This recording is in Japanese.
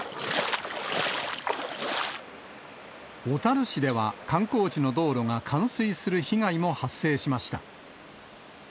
小樽市では、観光地の道路が冠水する被害も発生しました。